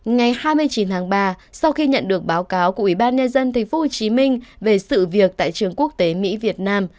ngày hai mươi chín tháng ba sau khi nhận được báo cáo của ủy ban nhân dân tp hcm về sự việc tại trường quốc tế mỹ việt nam